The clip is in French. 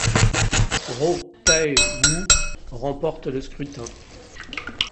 Roh Tae-woo remporte le scrutin.